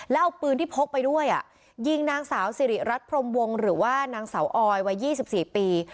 แล้วเอาปืนที่พกไปด้วยยิงนางสาวสิริรัตนพรมวงหรือว่านางสาวออยวัย๒๔ปี